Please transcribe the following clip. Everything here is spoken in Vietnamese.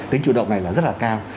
tính chủ động này là rất là cao